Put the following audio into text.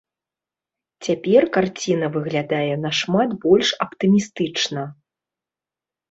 Цяпер карціна выглядае нашмат больш аптымістычна.